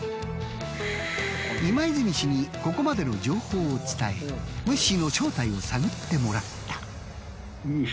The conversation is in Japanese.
今泉氏にここまでの情報を伝えムッシーの正体を探ってもらった。